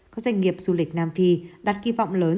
các doanh nghiệp du lịch nam phi đặt kỳ vọng lớn